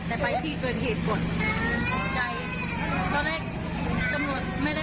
แต่ไปที่เกิดเหตุผลตอนแรกจำรถไม่ได้บอกสาเหตุอะไรเลย